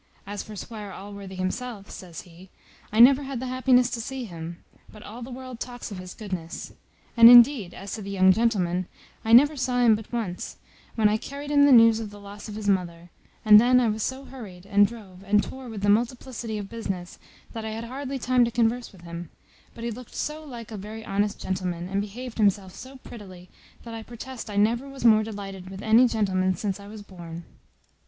As for Squire Allworthy himself," says he, "I never had the happiness to see him; but all the world talks of his goodness. And, indeed, as to the young gentleman, I never saw him but once, when I carried him the news of the loss of his mother; and then I was so hurried, and drove, and tore with the multiplicity of business, that I had hardly time to converse with him; but he looked so like a very honest gentleman, and behaved himself so prettily, that I protest I never was more delighted with any gentleman since I was born."